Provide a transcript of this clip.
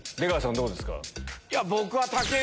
どうです？